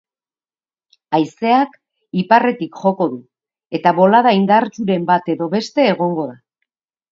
Haizeak iparretik joko du, eta bolada indartsuren bat edo beste egongo da.